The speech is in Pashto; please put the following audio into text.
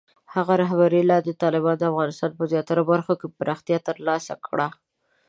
د هغه رهبرۍ لاندې، طالبانو د افغانستان په زیاتره برخو کې پراختیا ترلاسه کړه.